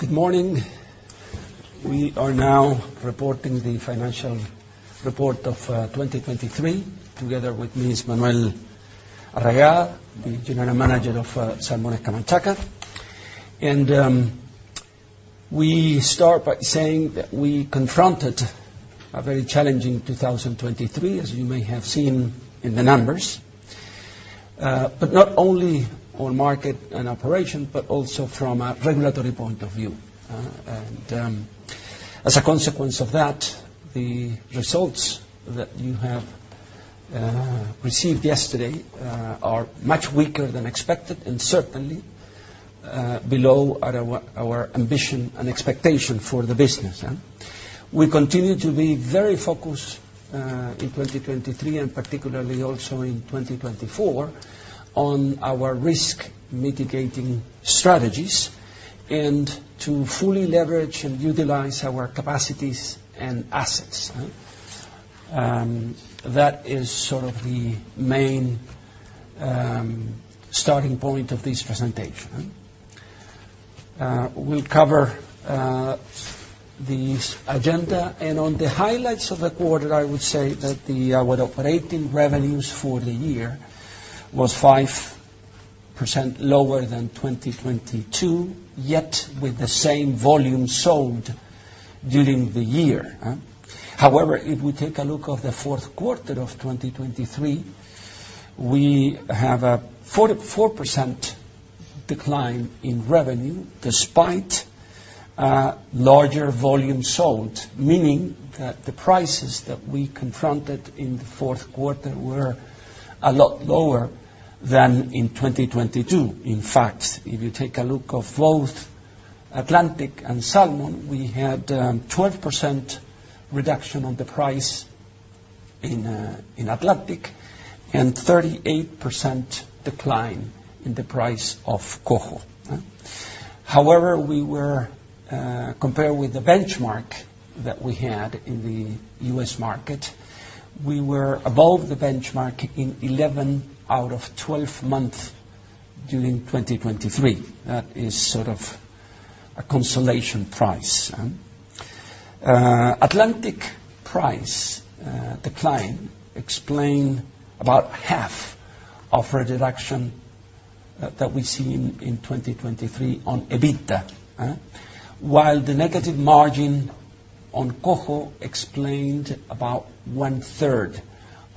Good morning. We are now reporting the financial report of 2023 together with Mr. Manuel Arriagada Ossa, the General Manager of Salmones Camanchaca. We start by saying that we confronted a very challenging 2023, as you may have seen in the numbers, but not only on market and operation but also from a regulatory point of view. As a consequence of that, the results that you have received yesterday are much weaker than expected and certainly below our our ambition and expectation for the business. We continue to be very focused in 2023 and particularly also in 2024 on our risk mitigating strategies and to fully leverage and utilize our capacities and assets. That is sort of the main starting point of this presentation. We'll cover this agenda, and on the highlights of the quarter I would say that the operating revenues for the year was 5% lower than 2022, yet with the same volume sold during the year. However, if we take a look of the fourth quarter of 2023, we have a 4% decline in revenue despite larger volume sold, meaning that the prices that we confronted in the fourth quarter were a lot lower than in 2022. In fact, if you take a look of both Atlantic and salmon, we had 12% reduction on the price in Atlantic and 38% decline in the price of Coho. However, we were compared with the benchmark that we had in the U.S. market, we were above the benchmark in 11 out of 12 months during 2023. That is sort of a consolation prize. Atlantic price decline explained about half of our reduction that we see in 2023 on EBITDA, while the negative margin on Coho explained about one-third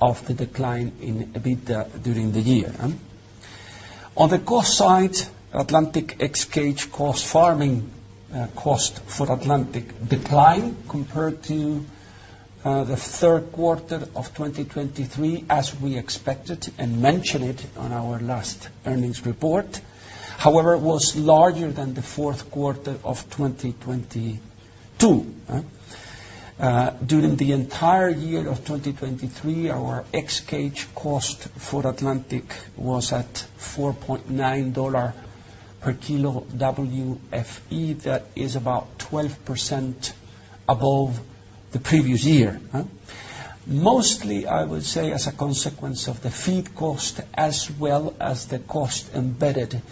of the decline in EBITDA during the year. On the cost side, Atlantic ex-cage cost farming cost for Atlantic declined compared to the third quarter of 2023 as we expected and mentioned it on our last earnings report. However, it was larger than the fourth quarter of 2022. During the entire year of 2023, our ex-cage cost for Atlantic was at $4.9 per kilo WFE. That is about 12% above the previous year. Mostly, I would say, as a consequence of the feed cost as well as the cost embedded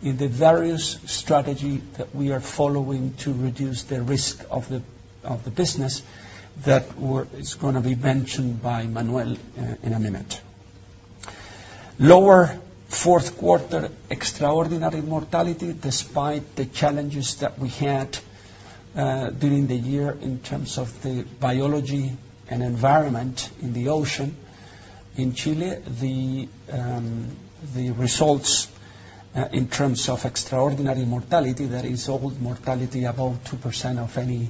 in the various strategy that we are following to reduce the risk of the business that we are going to be mentioned by Manuel in a minute. Lower fourth quarter extraordinary mortality despite the challenges that we had during the year in terms of the biology and environment in the ocean. In Chile, the results in terms of extraordinary mortality, that is all mortality, about 2% of any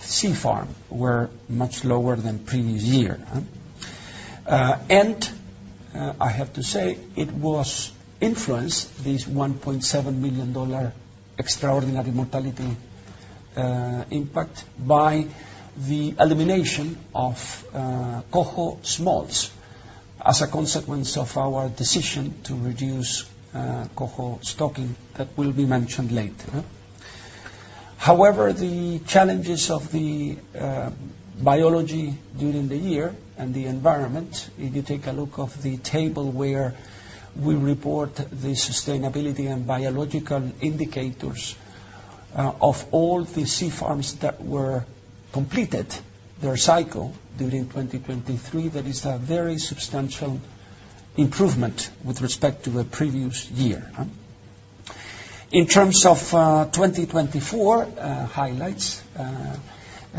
sea farm were much lower than previous year. I have to say it was influenced, this $1.7 million extraordinary mortality impact by the elimination of Coho smolts as a consequence of our decision to reduce Coho stocking that will be mentioned later. However, the challenges of the biology during the year and the environment, if you take a look of the table where we report the sustainability and biological indicators of all the sea farms that were completed their cycle during 2023, that is a very substantial improvement with respect to the previous year. In terms of 2024 highlights,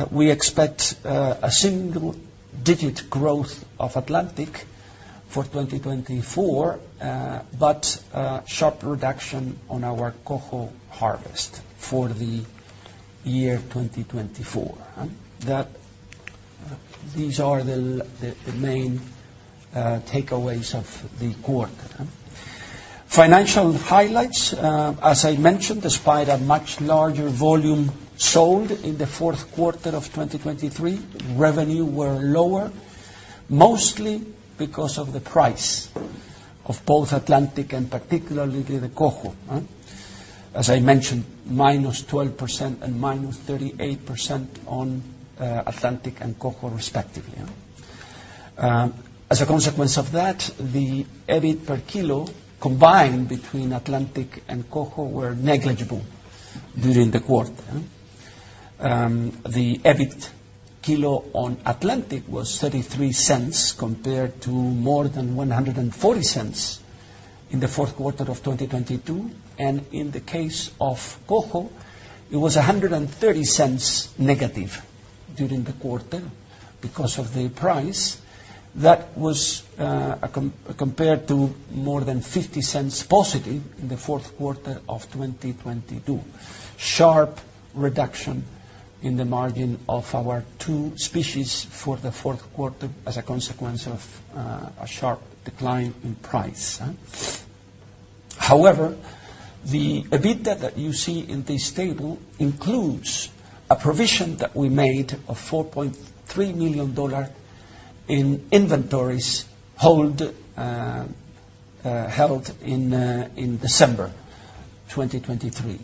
we expect a single-digit growth of Atlantic for 2024, but sharp reduction on our Coho harvest for the year 2024. That, these are the, the main takeaways of the quarter. Financial highlights, as I mentioned, despite a much larger volume sold in the fourth quarter of 2023, revenue were lower mostly because of the price of both Atlantic and particularly the Coho. As I mentioned, -12% and -38% on Atlantic and Coho respectively. As a consequence of that, the EBIT per kilo combined between Atlantic and Coho were negligible during the quarter. The EBIT kilo on Atlantic was $0.33 compared to more than $1.40 in the fourth quarter of 2022, and in the case of Coho, it was -$1.30 during the quarter because of the price. That was compared to more than $0.50 positive in the fourth quarter of 2022. Sharp reduction in the margin of our two species for the fourth quarter as a consequence of a sharp decline in price. However, the EBITDA that you see in this table includes a provision that we made of $4.3 million in inventories held in December 2023.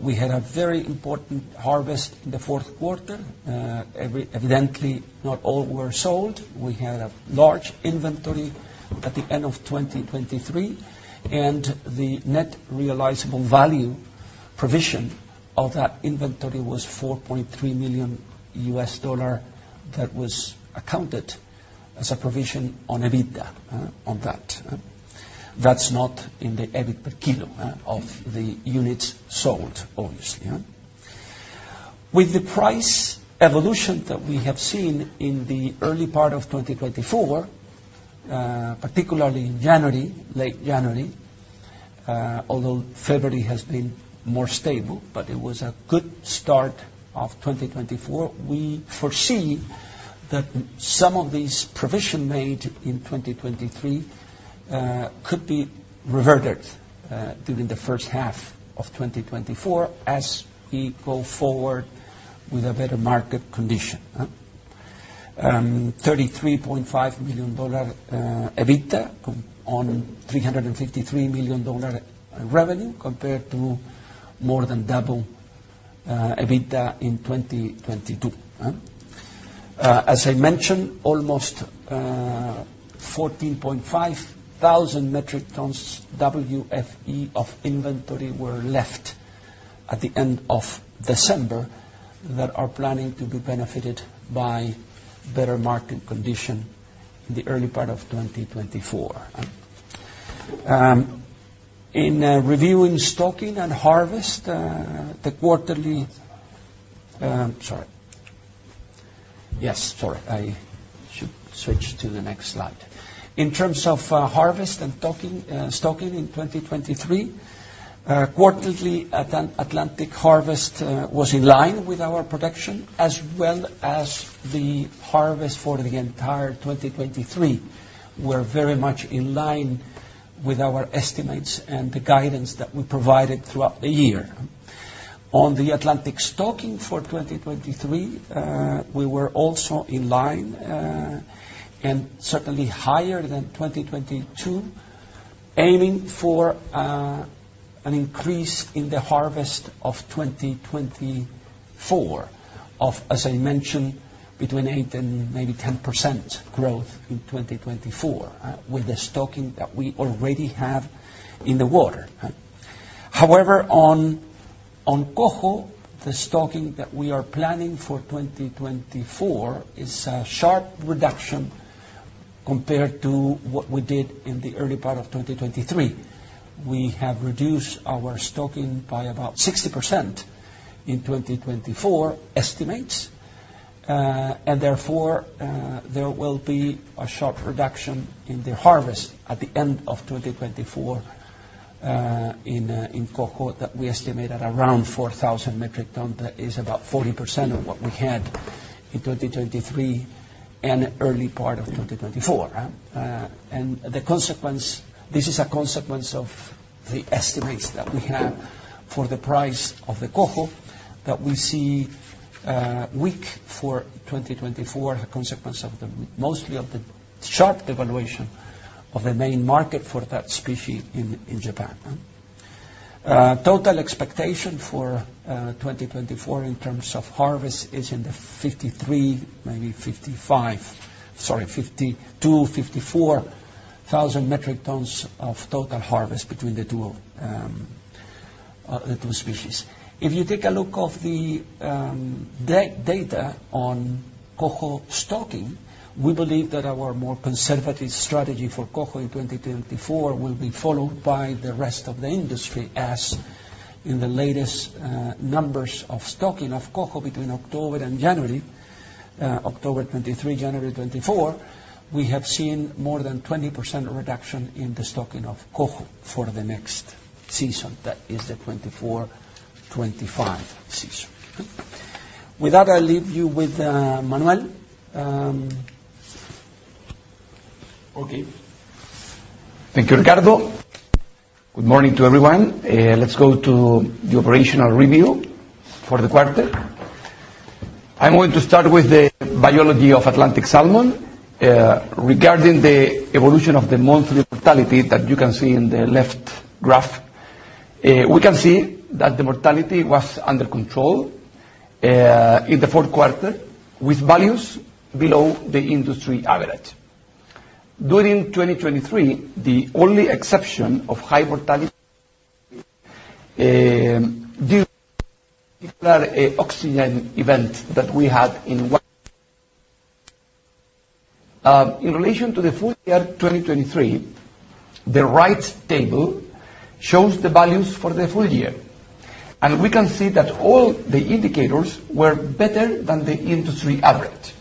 We had a very important harvest in the fourth quarter. Evidently, not all were sold. We had a large inventory at the end of 2023, and the net realizable value provision of that inventory was $4.3 million that was accounted as a provision on EBITDA. That's not in the EBIT per kilo of the units sold, obviously. With the price evolution that we have seen in the early part of 2024, particularly in January, late January, although February has been more stable, but it was a good start of 2024, we foresee that some of these provisions made in 2023 could be reverted during the first half of 2024 as we go forward with a better market condition. $33.5 million EBITDA on $353 million revenue compared to more than double EBITDA in 2022. As I mentioned, almost 14,500 metric tons WFE of inventory were left at the end of December that are planning to be benefited by better market condition in the early part of 2024. Sorry. Yes, sorry. I should switch to the next slide. In terms of harvest and stocking in 2023, quarterly Atlantic harvest was in line with our production as well as the harvest for the entire 2023. We're very much in line with our estimates and the guidance that we provided throughout the year. On the Atlantic stocking for 2023, we were also in line, and certainly higher than 2022, aiming for an increase in the harvest of 2024 of, as I mentioned, between 8% and maybe 10% growth in 2024, with the stocking that we already have in the water. However, on Coho, the stocking that we are planning for 2024 is a sharp reduction compared to what we did in the early part of 2023. We have reduced our stocking by about 60% in 2024 estimates, and therefore, there will be a sharp reduction in the harvest at the end of 2024 in Coho that we estimate at around 4,000 metric tons. That is about 40% of what we had in 2023 and early part of 2024. And the consequence, this is a consequence of the estimates that we have for the price of the Coho that we see weak for 2024 as a consequence of most of the sharp devaluation of the main market for that species in Japan. Total expectation for 2024 in terms of harvest is 53,000, maybe 55,000 sorry, 52,000-54,000 metric tons of total harvest between the two species. If you take a look at the data on Coho stocking, we believe that our more conservative strategy for Coho in 2024 will be followed by the rest of the industry as in the latest numbers of stocking of Coho between October and January, October 2023, January 2024, we have seen more than 20% reduction in the stocking of Coho for the next season. That is the 2024-2025 season. With that, I'll leave you with Manuel. Okay. Thank you, Ricardo. Good morning to everyone. Let's go to the operational review for the quarter. I'm going to start with the biology of Atlantic Salmon, regarding the evolution of the monthly mortality that you can see in the left graph. We can see that the mortality was under control in the fourth quarter with values below the industry average. During 2023, the only exception of high mortality due to a particular oxygen event that we had in relation to the full year 2023, the right table shows the values for the full year, and we can see that all the indicators were better than the industry average: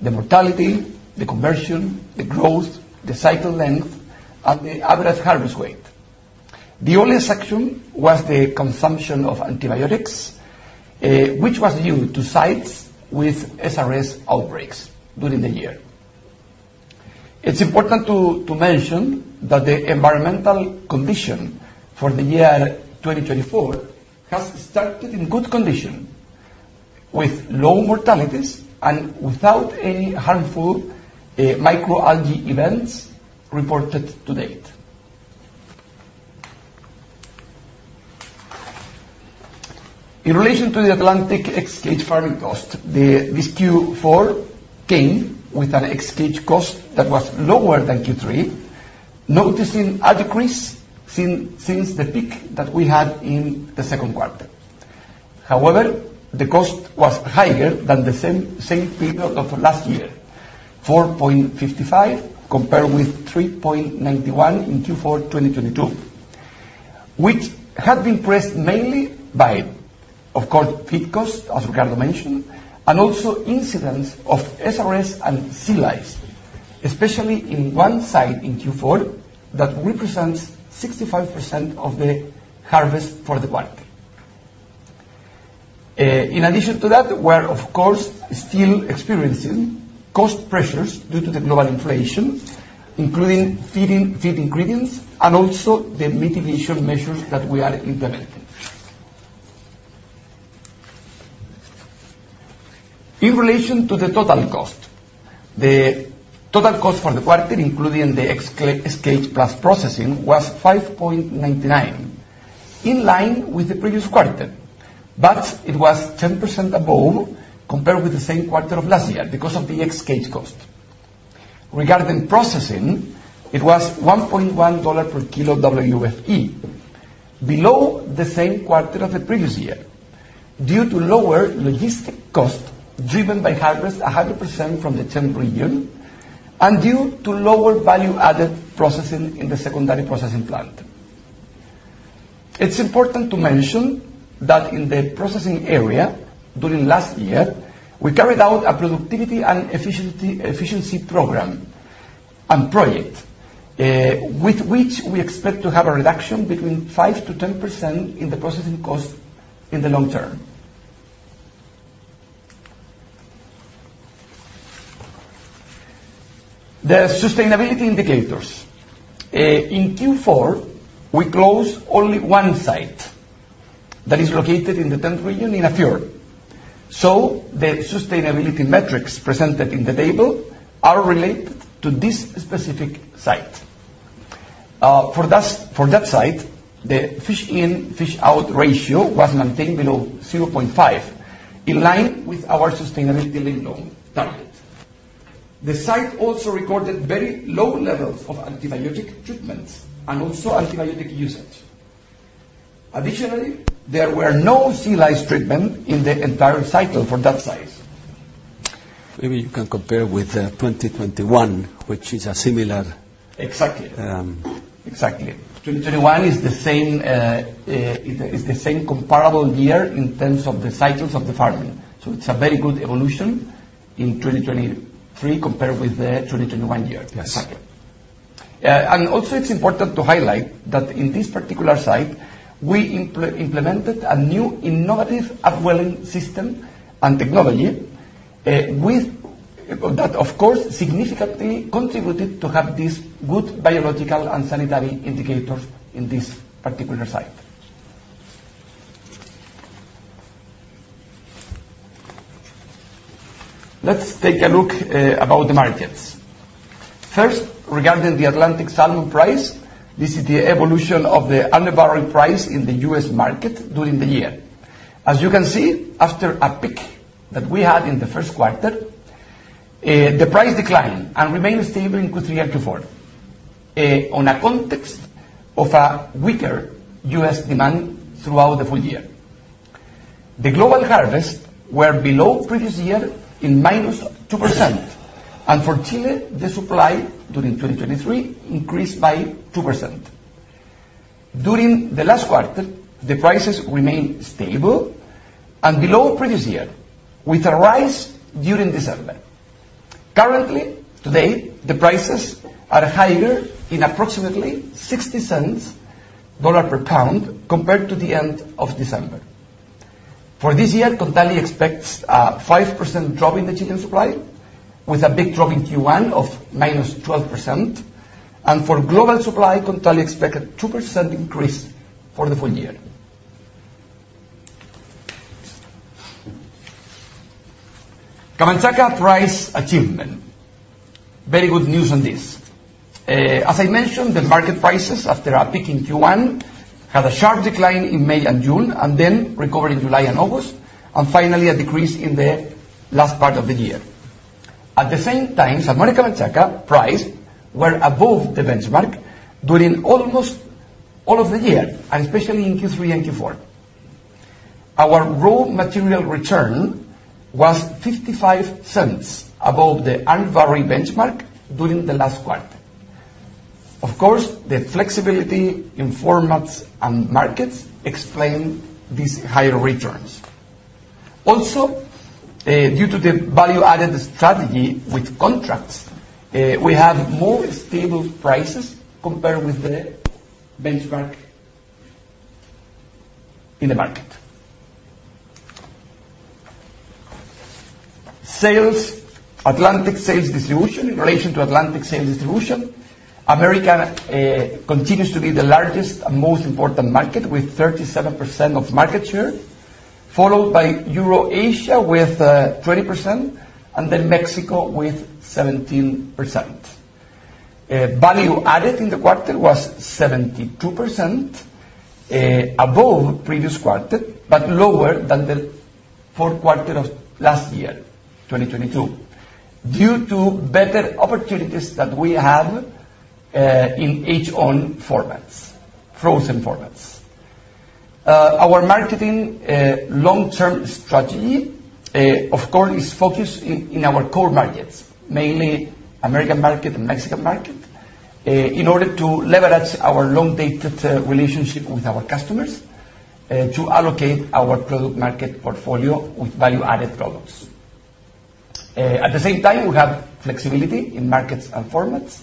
the mortality, the conversion, the growth, the cycle length, and the average harvest weight. The only exception was the consumption of antibiotics, which was due to sites with SRS outbreaks during the year. It's important to mention that the environmental condition for the year 2024 has started in good condition with low mortalities and without any harmful microalgae events reported to date. In relation to the Atlantic ex-cage farming cost, this Q4 came with an ex-cage cost that was lower than Q3, noticing a decrease since the peak that we had in the second quarter. However, the cost was higher than the same period of last year, $4.55 compared with $3.91 in Q4 2022, which had been pressed mainly by, of course, feed cost, as Ricardo mentioned, and also incidents of SRS and sea lice, especially in one site in Q4 that represents 65% of the harvest for the quarter. In addition to that, we're, of course, still experiencing cost pressures due to the global inflation, including feed ingredients and also the mitigation measures that we are implementing. In relation to the total cost, the total cost for the quarter, including the ex-cage plus processing, was $5.99, in line with the previous quarter, but it was 10% above compared with the same quarter of last year because of the ex-cage cost. Regarding processing, it was $1.1 per kilo WFE, below the same quarter of the previous year due to lower logistics cost driven by harvest 100% from the Los Lagos Region and due to lower value-added processing in the secondary processing plant. It's important to mention that in the processing area during last year, we carried out a productivity and efficiency program and project, with which we expect to have a reduction between 5%-10% in the processing cost in the long term. The sustainability indicators in Q4, we closed only one site that is located in the Los Lagos Region in a fjord. So the sustainability metrics presented in the table are related to this specific site. For that site, the fish-in/fish-out ratio was maintained below 0.5, in line with our sustainability long-term target. The site also recorded very low levels of antibiotic treatments and also antibiotic usage. Additionally, there were no sea lice treatments in the entire cycle for that site. Maybe you can compare with 2021, which is a similar. Exactly. Exactly. 2021 is the same, it is the same comparable year in terms of the cycles of the farming. So it's a very good evolution in 2023 compared with the 2021 year. Yes. Exactly. And also, it's important to highlight that in this particular site, we implemented a new innovative upwelling system and technology, with that, of course, significantly contributed to have these good biological and sanitary indicators in this particular site. Let's take a look about the markets. First, regarding the Atlantic Salmon price, this is the evolution of the Urner Barry price in the US market during the year. As you can see, after a peak that we had in the first quarter, the price declined and remained stable in Q3 and Q4, on a context of a weaker US demand throughout the full year. The global harvests were below previous year in -2%, and for Chile, the supply during 2023 increased by 2%. During the last quarter, the prices remained stable and below previous year with a rise during December. Currently, today, the prices are higher in approximately $0.60 per pound compared to the end of December. For this year, Kontali expects, 5% drop in the Chilean supply with a big drop in Q1 of -12%. And for global supply, Kontali expected 2% increase for the full year. Camanchaca price achievement. Very good news on this. As I mentioned, the market prices after a peak in Q1 had a sharp decline in May and June and then recovered in July and August, and finally, a decrease in the last part of the year. At the same time, Salmones Camanchaca prices were above the benchmark during almost all of the year, and especially in Q3 and Q4. Our raw material return was $0.55 above the Urner Barry benchmark during the last quarter. Of course, the flexibility in formats and markets explained these higher returns. Also, due to the value-added strategy with contracts, we have more stable prices compared with the benchmark in the market. Sales Atlantic sales distribution in relation to Atlantic sales distribution. America continues to be the largest and most important market with 37% of market share, followed by Eurasia with 20% and then Mexico with 17%. Value-added in the quarter was 72%, above previous quarter but lower than the fourth quarter of last year, 2022, due to better opportunities that we have, in head-on formats, frozen formats. Our marketing, long-term strategy, of course, is focused in, in our core markets, mainly American market and Mexican market, in order to leverage our long-dated, relationship with our customers, to allocate our product market portfolio with value-added products. At the same time, we have flexibility in markets and formats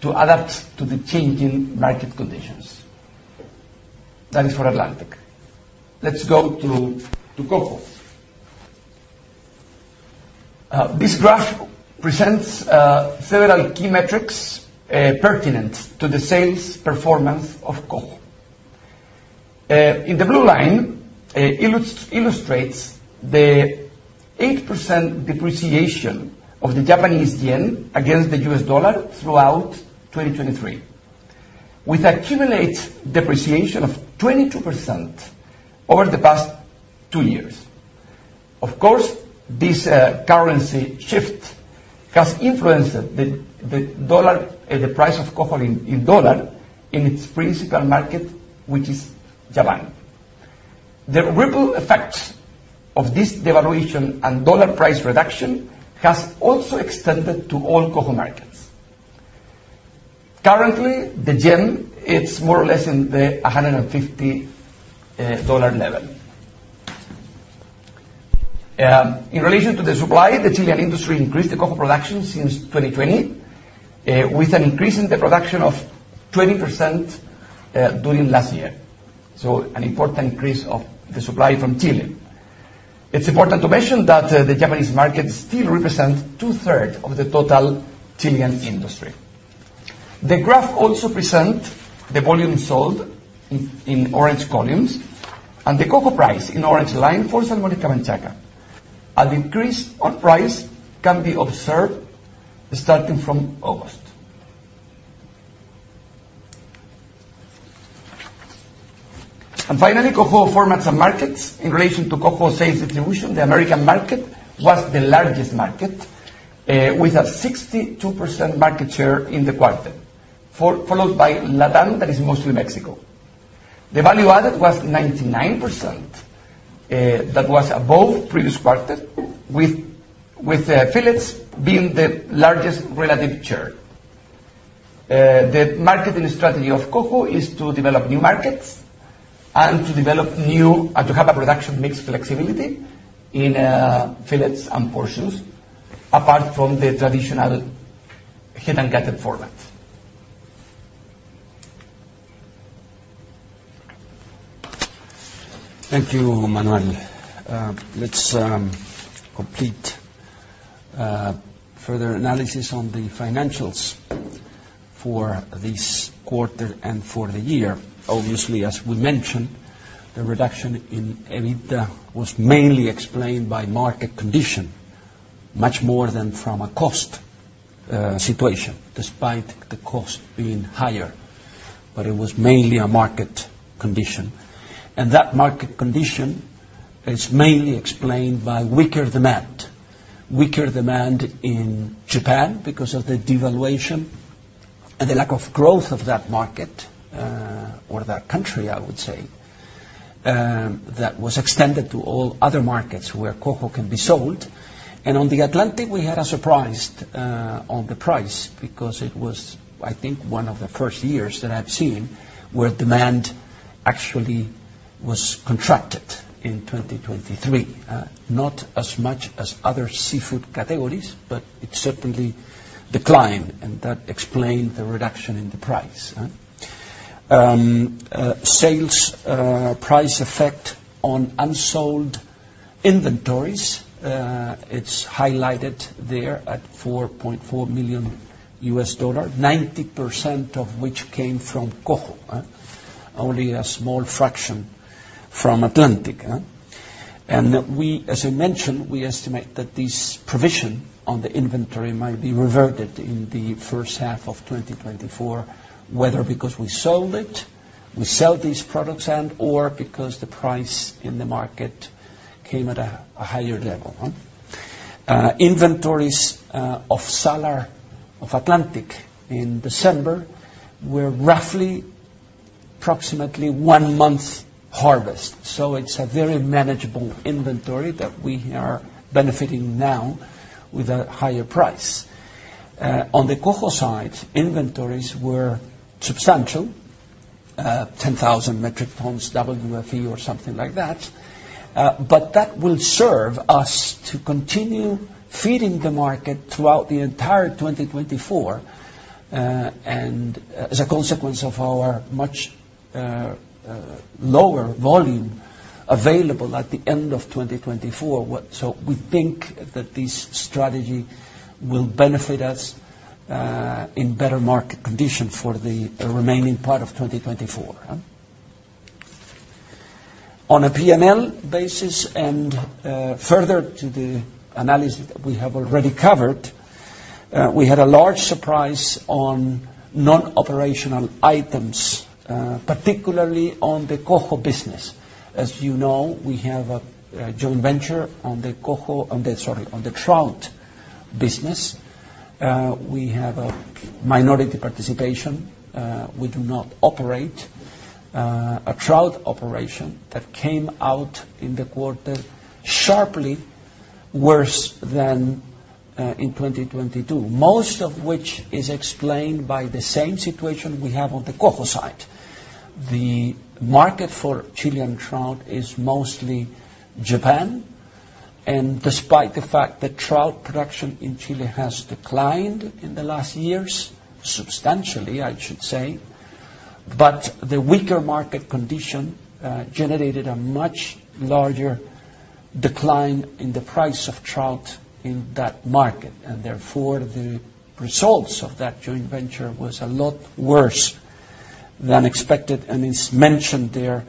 to adapt to the changing market conditions. That is for Atlantic. Let's go to, to Coho. This graph presents, several key metrics, pertinent to the sales performance of Coho. In the blue line, illustrates the 8% depreciation of the Japanese yen against the U.S. dollar throughout 2023, with accumulated depreciation of 22% over the past two years. Of course, this currency shift has influenced the dollar price of Coho in dollars in its principal market, which is Japan. The ripple effect of this devaluation and dollar price reduction has also extended to all Coho markets. Currently, the yen is more or less at the $150 dollar level. In relation to the supply, the Chilean industry increased the Coho production since 2020, with an increase in the production of 20% during last year. So an important increase of the supply from Chile. It is important to mention that the Japanese market still represents two-thirds of the total Chilean industry. The graph also presents the volume sold in orange columns and the Coho price in orange line for Salmones Camanchaca. An increase on price can be observed starting from August. And finally, Coho formats and markets. In relation to Coho sales distribution, the American market was the largest market, with a 62% market share in the quarter, followed by LATAM, that is mostly Mexico. The value-added was 99%, that was above previous quarter, with fillets being the largest relative share. The marketing strategy of Coho is to develop new markets and to develop new and to have a production mix flexibility in fillets and portions apart from the traditional head-on gutted format. Thank you, Manuel. Let's complete further analysis on the financials for this quarter and for the year. Obviously, as we mentioned, the reduction in EBITDA was mainly explained by market condition, much more than from a cost situation, despite the cost being higher. But it was mainly a market condition. That market condition is mainly explained by weaker demand, weaker demand in Japan because of the devaluation and the lack of growth of that market, or that country, I would say, that was extended to all other markets where Coho can be sold. On the Atlantic, we had a surprise, on the price because it was, I think, one of the first years that I've seen where demand actually was contracted in 2023, not as much as other seafood categories, but it certainly declined, and that explained the reduction in the price. Sales, price effect on unsold inventories, it's highlighted there at $4.4 million, 90% of which came from Coho. Only a small fraction from Atlantic. We, as I mentioned, we estimate that this provision on the inventory might be reverted in the first half of 2024, whether because we sold it, we sell these products, and/or because the price in the market came at a higher level. Inventories of Atlantic salmon in December were roughly approximately one-month harvest. So it's a very manageable inventory that we are benefiting now with a higher price. On the Coho side, inventories were substantial, 10,000 metric tons WFE or something like that. But that will serve us to continue feeding the market throughout the entire 2024, and, as a consequence of our much lower volume available at the end of 2024, so we think that this strategy will benefit us, in better market condition for the remaining part of 2024. On a P&L basis and, further to the analysis that we have already covered, we had a large surprise on non-operational items, particularly on the Coho business. As you know, we have a joint venture on the Coho on the sorry, on the trout business. We have a minority participation. We do not operate, a trout operation that came out in the quarter sharply worse than, in 2022, most of which is explained by the same situation we have on the Coho side. The market for Chilean trout is mostly Japan. And despite the fact that trout production in Chile has declined in the last years, substantially, I should say, but the weaker market condition, generated a much larger decline in the price of trout in that market. Therefore, the results of that joint venture was a lot worse than expected, and it's mentioned there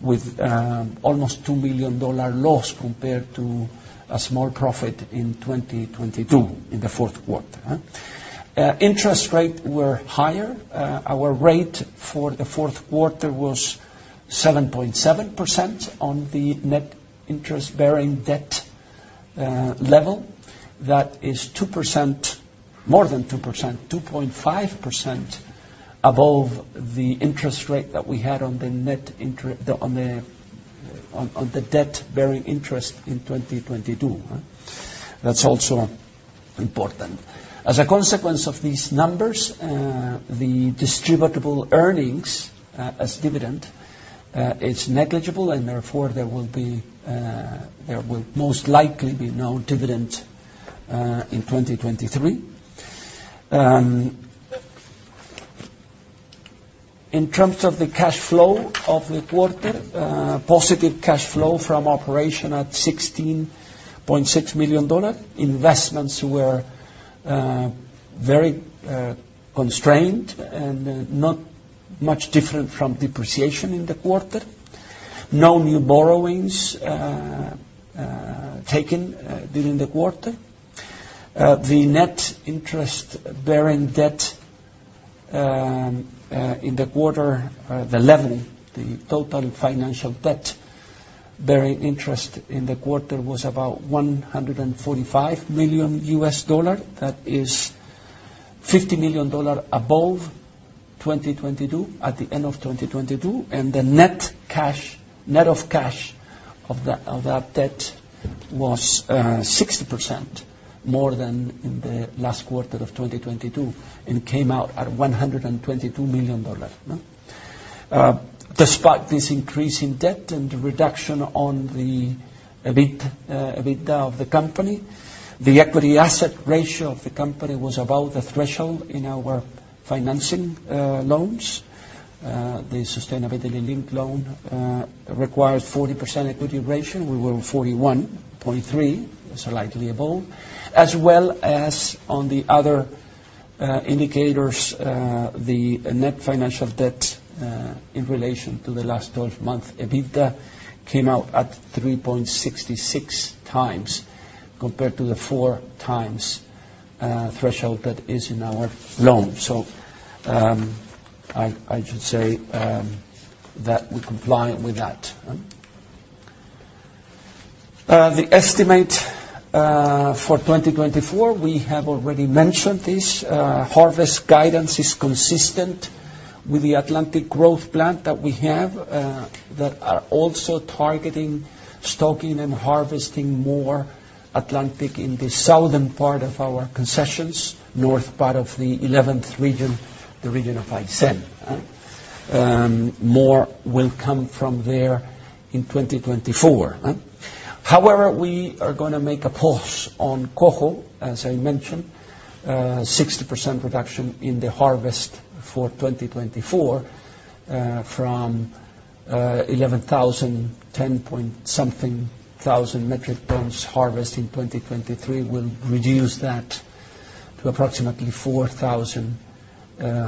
with almost $2 million loss compared to a small profit in 2022 in the fourth quarter. Interest rates were higher. Our rate for the fourth quarter was 7.7% on the net interest-bearing debt level. That is 2% more than 2%, 2.5% above the interest rate that we had on the net interest on the on the debt-bearing interest in 2022. That's also important. As a consequence of these numbers, the distributable earnings as dividend, it's negligible, and therefore, there will be there will most likely be no dividend in 2023. In terms of the cash flow of the quarter, positive cash flow from operation at $16.6 million. Investments were very constrained and not much different from depreciation in the quarter. No new borrowings taken during the quarter. The net interest-bearing debt in the quarter, the level, the total financial debt-bearing interest in the quarter was about $145 million. That is $50 million above 2022 at the end of 2022. The net cash, net of cash of that debt was 60% more than in the last quarter of 2022 and came out at $122 million. Despite this increase in debt and reduction on the EBIT, EBITDA of the company, the equity asset ratio of the company was above the threshold in our financing loans. The sustainability-linked loan required 40% equity ratio. We were 41.3%, so slightly above, as well as on the other indicators, the net financial debt in relation to the last 12 months EBITDA came out at 3.66 times compared to the 4 times threshold that is in our loan. So, I should say that we complied with that, the estimate for 2024. We have already mentioned this. Harvest guidance is consistent with the Atlantic Growth Plan that we have, that are also targeting stocking and harvesting more Atlantic in the southern part of our concessions, north part of the 11th Region, the Aysén Region. More will come from there in 2024. However, we are going to make a pause on Coho, as I mentioned, 60% reduction in the harvest for 2024, from 11,000 to 10-point-something thousand metric tons harvest in 2023 will reduce that to approximately 4,000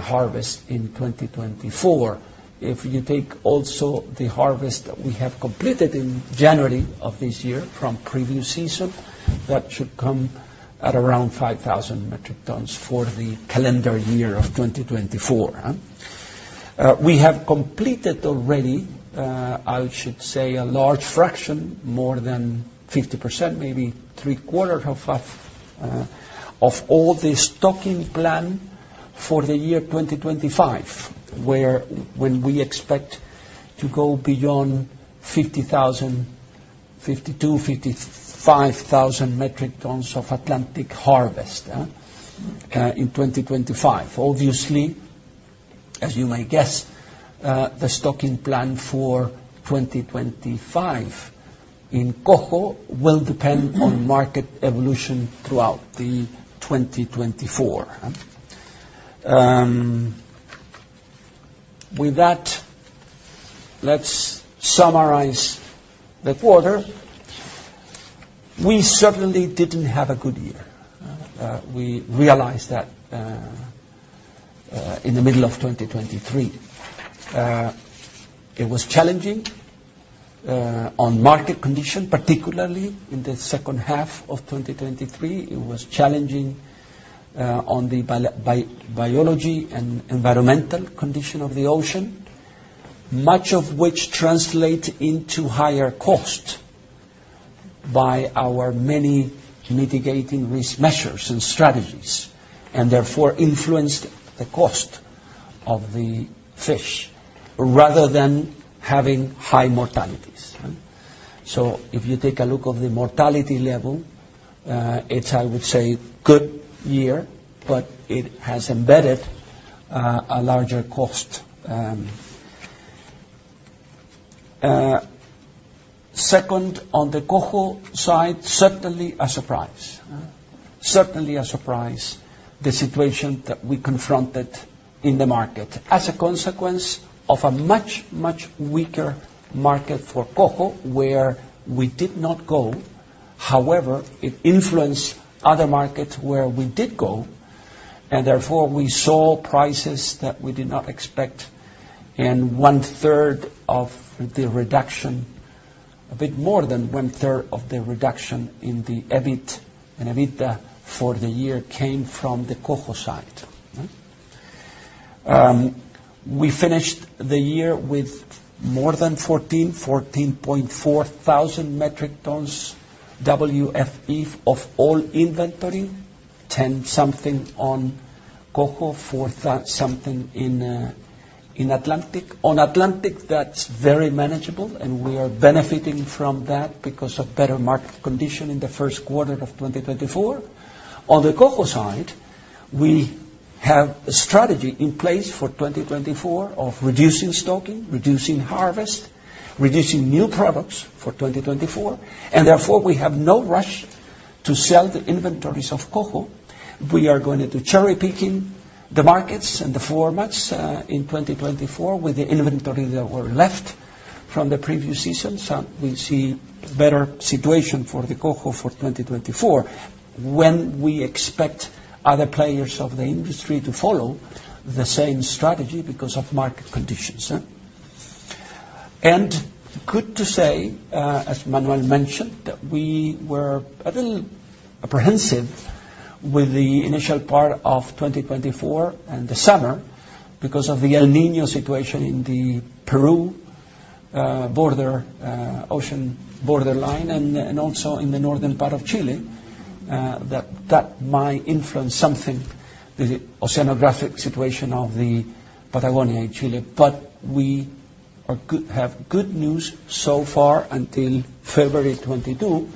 harvest in 2024. If you take also the harvest that we have completed in January of this year from previous season, that should come at around 5,000 metric tons for the calendar year of 2024. We have completed already, I should say, a large fraction, more than 50%, maybe three-quarters of all the stocking plan for the year 2025, wherein we expect to go beyond 50,000 52,000 55,000 metric tons of Atlantic harvest in 2025. Obviously, as you may guess, the stocking plan for 2025 in Coho will depend on market evolution throughout 2024. With that, let's summarize the quarter. We certainly didn't have a good year. We realized that in the middle of 2023. It was challenging on market condition, particularly in the second half of 2023. It was challenging on the biology and environmental condition of the ocean, much of which translates into higher cost by our many mitigating risk measures and strategies, and therefore influenced the cost of the fish rather than having high mortalities. So if you take a look at the mortality level, it's, I would say, a good year, but it has embedded a larger cost. Second, on the Coho side, certainly a surprise, huh? Certainly a surprise the situation that we confronted in the market as a consequence of a much, much weaker market for Coho, where we did not go. However, it influenced other markets where we did go, and therefore, we saw prices that we did not expect, and one-third of the reduction a bit more than one-third of the reduction in the EBIT and EBITDA for the year came from the Coho side, huh? We finished the year with more than 14, 14.4 thousand metric tons WFE of all inventory, 10-something on Coho, 4,000-something in, in Atlantic. On Atlantic, that's very manageable, and we are benefiting from that because of better market condition in the first quarter of 2024. On the Coho side, we have a strategy in place for 2024 of reducing stocking, reducing harvest, reducing new products for 2024. And therefore, we have no rush to sell the inventories of Coho. We are going to be cherry-picking the markets and the formats, in 2024 with the inventory that were left from the previous season, so we see better situation for the Coho for 2024 when we expect other players of the industry to follow the same strategy because of market conditions, huh? Glad to say, as Manuel mentioned, that we were a little apprehensive with the initial part of 2024 and the summer because of the El Niño situation in the Peru border, ocean borderline and also in the northern part of Chile, that that might influence something, the oceanographic situation of the Patagonia in Chile. But we are good have good news so far until February 2022,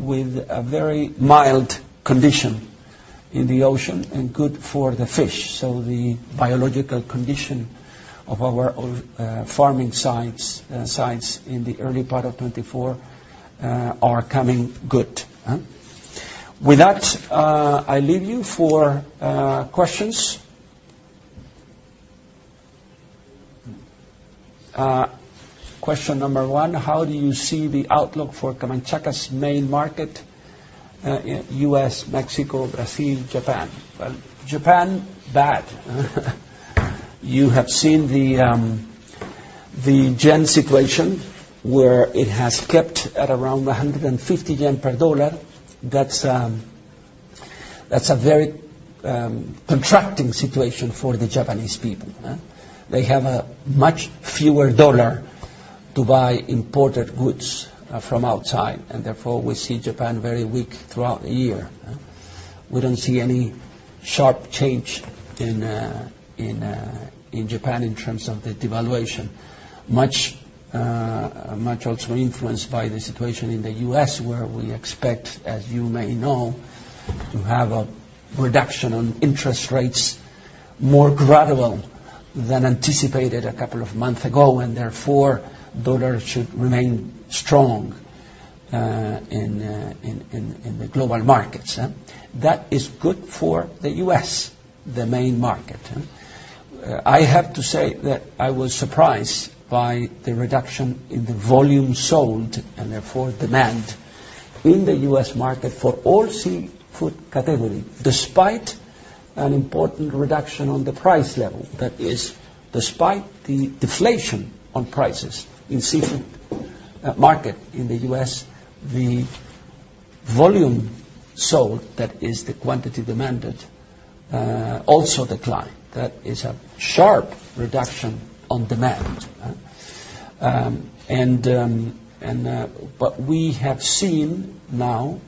with a very mild condition in the ocean and good for the fish. So the biological condition of our old farming sites in the early part of 2024 are coming good, huh? With that, I leave you for questions. Question number one, how do you see the outlook for Camanchaca's main market, in U.S., Mexico, Brazil, Japan? Well, Japan, bad. You have seen the yen situation where it has kept at around 150 yen per dollar. That's a very contracting situation for the Japanese people, huh? They have much fewer dollars to buy imported goods from outside. And therefore, we see Japan very weak throughout the year, huh? We don't see any sharp change in Japan in terms of the devaluation, much also influenced by the situation in the U.S. where we expect, as you may know, to have a reduction in interest rates more gradual than anticipated a couple of months ago. And therefore, dollars should remain strong in the global markets, huh? That is good for the U.S., the main market, huh? I have to say that I was surprised by the reduction in the volume sold and therefore demand in the U.S. market for all seafood categories despite an important reduction on the price level. That is, despite the deflation on prices in seafood market in the U.S., the volume sold, that is, the quantity demanded, also declined. That is a sharp reduction on demand, huh? But we have seen now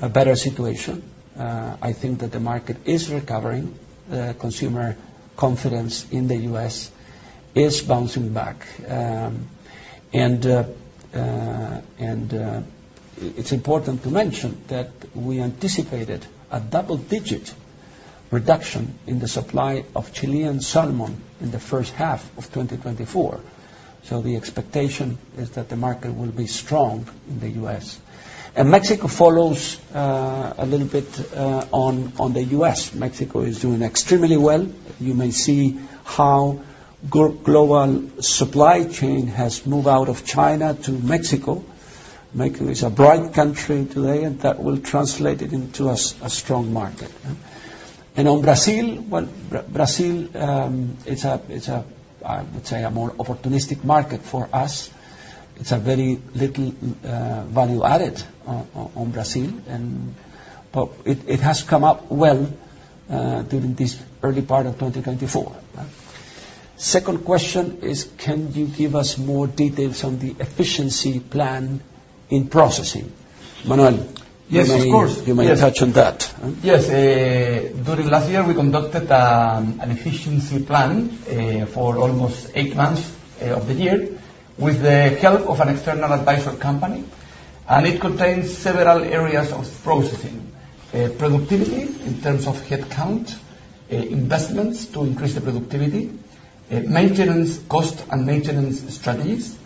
a better situation. I think that the market is recovering. The consumer confidence in the U.S. is bouncing back. It's important to mention that we anticipated a double-digit reduction in the supply of Chilean salmon in the first half of 2024. So the expectation is that the market will be strong in the U.S. Mexico follows, a little bit, on the U.S. Mexico is doing extremely well. You may see how global supply chain has moved out of China to Mexico. Mexico is a bright country today, and that will translate it into a strong market, huh? And on Brazil, well, Brazil, it's a, I would say, a more opportunistic market for us. It's a very little value added on Brazil. But it has come up well during this early part of 2024, huh? Second question is, can you give us more details on the efficiency plan in processing? Manuel. Yes, of course. You may touch on that, huh? Yes. During last year, we conducted an efficiency plan for almost eight months of the year with the help of an external advisory company. It contains several areas of processing, productivity in terms of headcount, investments to increase the productivity, maintenance cost and maintenance strategies,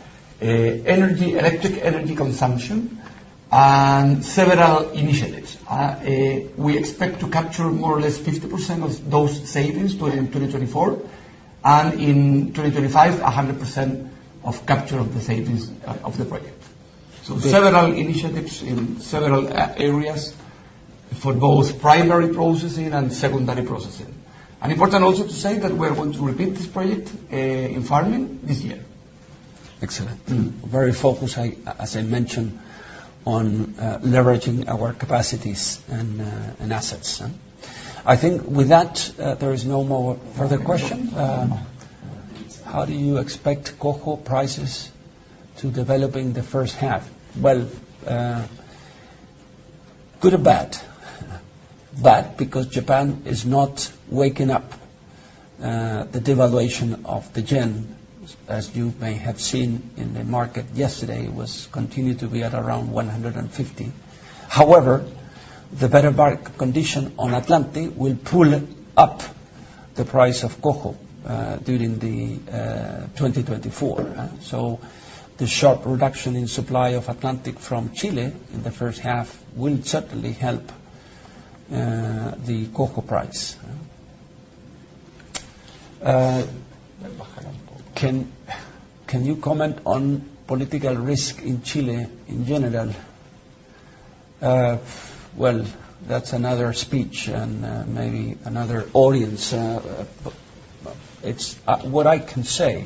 energy, electric energy consumption, and several initiatives. We expect to capture more or less 50% of those savings during 2024. In 2025, 100% of capture of the savings of the project. Several initiatives in several areas for both primary processing and secondary processing. Important also to say that we are going to repeat this project in farming this year. Excellent. Very focused, as I mentioned, on leveraging our capacities and assets, huh? I think with that, there is no more further question. How do you expect Coho prices to develop in the first half? Well, good or bad. Bad because Japan is not waking up, the devaluation of the yen, as you may have seen in the market yesterday. It was continued to be at around 150. However, the better market condition on Atlantic will pull up the price of Coho during 2024, huh? So the sharp reduction in supply of Atlantic from Chile in the first half will certainly help the Coho price, huh? Can you comment on political risk in Chile in general? Well, that's another speech and maybe another audience. It's what I can say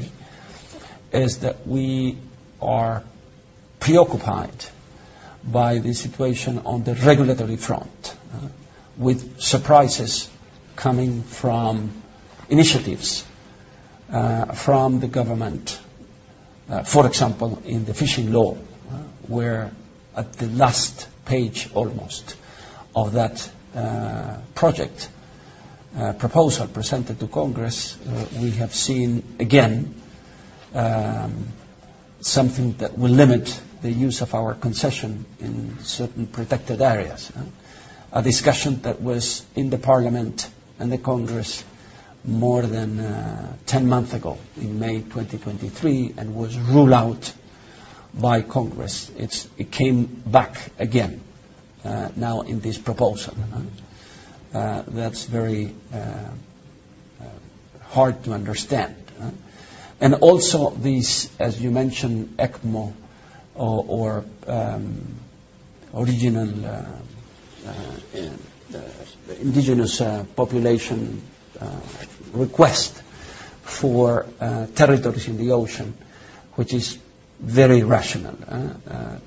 is that we are preoccupied by the situation on the regulatory front with surprises coming from initiatives from the government. For example, in the fishing law, where at the last page almost of that project proposal presented to Congress, we have seen again something that will limit the use of our concession in certain protected areas? A discussion that was in the Parliament and the Congress more than 10 months ago in May 2023 and was ruled out by Congress. It came back again now in this proposal? That's very hard to understand? And also these, as you mentioned, ECMPO or original indigenous population request for territories in the ocean, which is very rational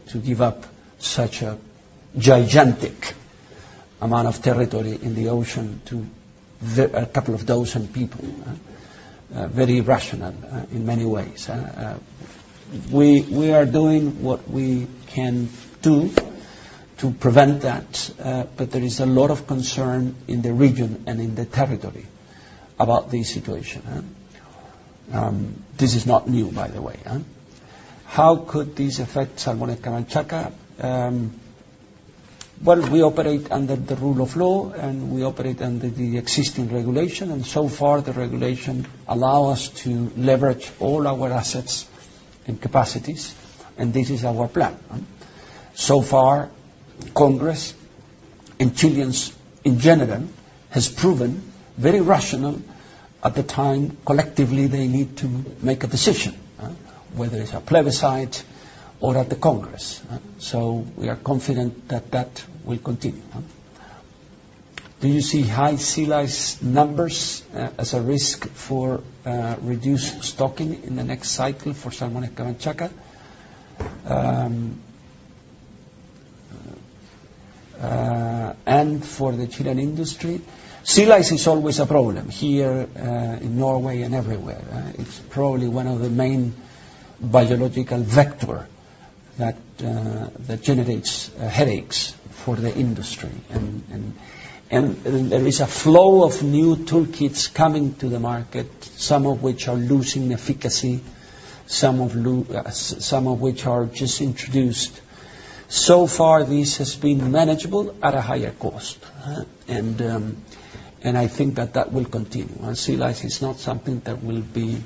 to give up such a gigantic amount of territory in the ocean to a couple of thousand people? Very rational in many ways, huh? We are doing what we can do to prevent that, but there is a lot of concern in the region and in the territory about this situation, huh? This is not new, by the way, huh? How could these affect Salmones Camanchaca? Well, we operate under the rule of law, and we operate under the existing regulation. So far, the regulation allows us to leverage all our assets and capacities. This is our plan, huh? So far, Congress and Chileans in general has proven very rational at the time collectively they need to make a decision, huh, whether it's at plebiscite or at the Congress, huh? So we are confident that that will continue, huh? Do you see high sea lice numbers as a risk for reduced stocking in the next cycle for Salmones Camanchaca, and for the Chilean industry? Sea lice is always a problem here, in Norway and everywhere. It's probably one of the main biological vectors that generates headaches for the industry. And there is a flow of new toolkits coming to the market, some of which are losing efficacy, some of which are just introduced. So far, this has been manageable at a higher cost. And I think that will continue. And sea lice is not something that will be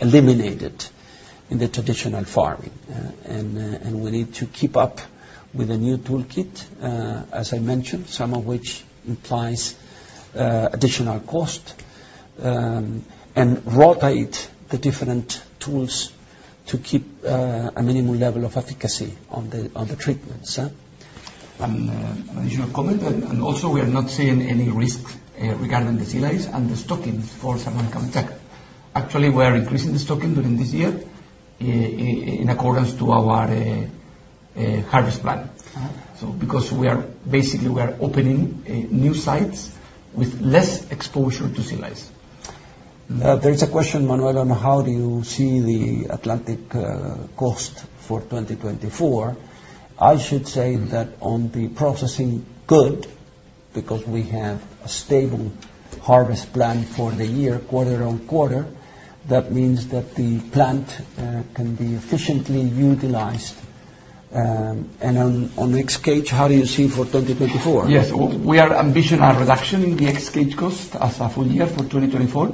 eliminated in the traditional farming. And we need to keep up with a new toolkit, as I mentioned, some of which implies additional cost, and rotate the different tools to keep a minimum level of efficacy on the treatments. An additional comment. Also, we are not seeing any risks regarding the sea lice and the stockings for Salmones Camanchaca. Actually, we are increasing the stocking during this year, in accordance to our harvest plan. So because we are basically, we are opening new sites with less exposure to sea lice. There is a question, Manuel, on how do you see the Atlantic cost for 2024? I should say that on the processing good, because we have a stable harvest plan for the year quarter-over-quarter, that means that the plant can be efficiently utilized. And on ex-cage, how do you see for 2024? Yes. We are ambitioning a reduction in the ex-cage cost for the full year for 2024,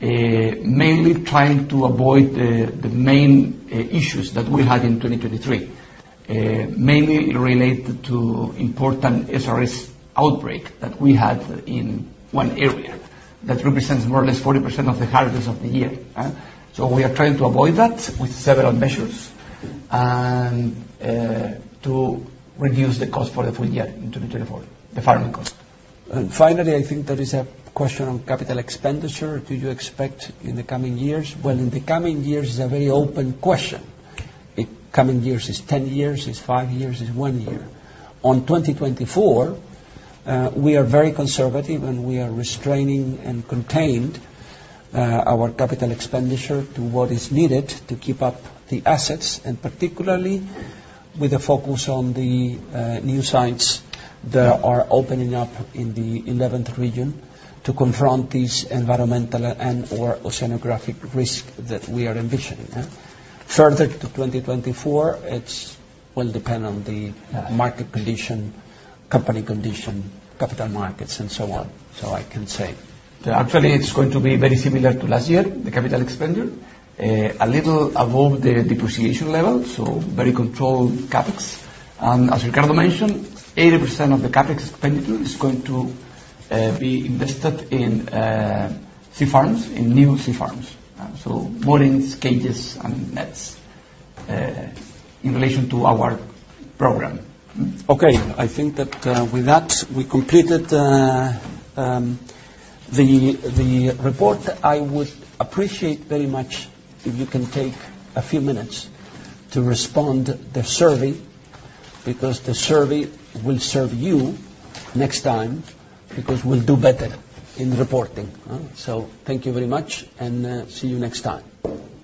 mainly trying to avoid the main issues that we had in 2023, mainly related to important SRS outbreak that we had in one area that represents more or less 40% of the harvest of the year. So we are trying to avoid that with several measures and to reduce the cost for the full year in 2024, the farming cost. And finally, I think there is a question on capital expenditure. Do you expect in the coming years? Well, in the coming years, it's a very open question. Coming years is 10 years, is 5 years, is 1 year. In 2024, we are very conservative, and we are restraining and contained, our capital expenditure to what is needed to keep up the assets, and particularly with a focus on the new sites that are opening up in the Aysén Region to confront these environmental and/or oceanographic risks that we are envisioning, huh? Further to 2024, it will depend on the market condition, company condition, capital markets, and so on, so I can say. Actually, it's going to be very similar to last year, the capital expenditure a little above the depreciation level, so very controlled CapEx. And as Ricardo mentioned, 80% of the CapEx expenditure is going to be invested in sea farms, in new sea farms, huh? So moorings, cages, and nets in relation to our program. Okay. I think that, with that, we completed the report. I would appreciate very much if you can take a few minutes to respond to the survey because the survey will serve you next time because we'll do better in reporting, huh? So thank you very much, and see you next time.